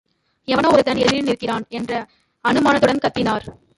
எவனோ ஒருத்தன் எதிரில் நிற்கிறான் என்ற அனுமானத்துடன் கத்தினார்.